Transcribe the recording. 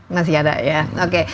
masih ada ya oke